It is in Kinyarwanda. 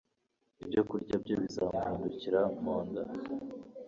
ibyokurya bye bizamuhindukira mu nda